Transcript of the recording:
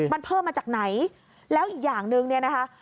มันเพิ่มมาจากไหนแล้วอีกอย่างหนึ่งเนี่ยนะคะ